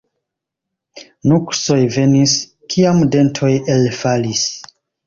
Nuksoj venis, kiam dentoj elfalis.